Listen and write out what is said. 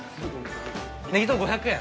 ねぎとろ５００円。